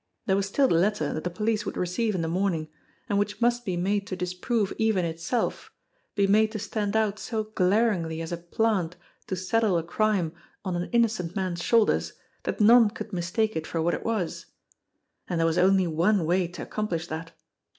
There was still the letter that the police would receive in the morning, and which must be made to disprove even itself, be made to stand out so glaringly as a plant to saddle a crime on an innocent man's shoulders that none could mistake it for what it was. And there was only one way to accomplish that!